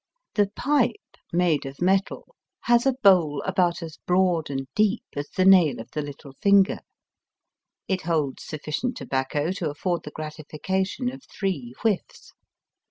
The pipe, made of metal, has a bowl about as broad and deep as the nail of the little finger. It holds sufficient tobacco to afford the gratification of three whiffs.